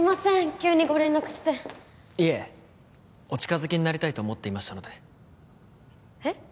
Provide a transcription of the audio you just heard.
急にご連絡していえお近づきになりたいと思っていましたのでえっ？